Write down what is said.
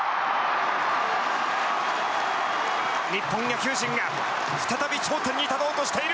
日本野球陣が再び頂点に立とうとしている。